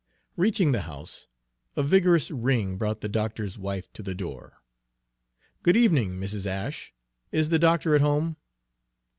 Reaching the house, a vigorous ring brought the doctor's wife to the door. "Good evening, Mrs. Ashe. Is the doctor at home?"